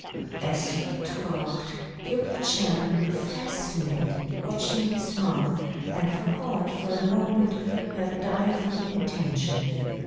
As he talked Yuki Chan grew fascinated watching his mouth, and forgot, for a moment, her direful intention.